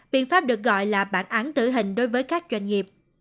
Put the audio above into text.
biện pháp được gọi là bản án tử hình đối với các doanh nghiệp